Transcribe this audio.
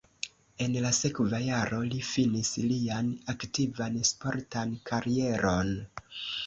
En la sekva jaro li finis lian aktivan sportan karieron.